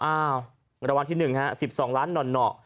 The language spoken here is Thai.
รางวัลที่หนึ่ง๑๒ล้านหน่อ